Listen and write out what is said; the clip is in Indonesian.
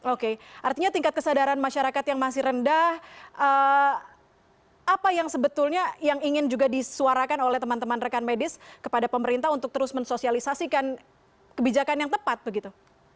oke artinya tingkat kesadaran masyarakat yang masih rendah apa yang sebetulnya yang ingin juga disuarakan oleh teman teman rekan medis kepada pemerintah untuk terus mensosialisasikan kebijakan yang tepat begitu